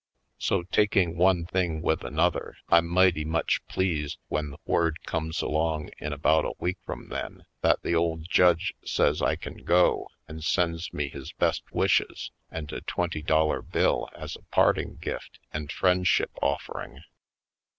So, taking one thing with another, I'm mighty much pleased when the word comes along in about a week from then that the old judge says I can go and sends me his best wishes and a twenty dollar bill as a parting gift and friendship offering.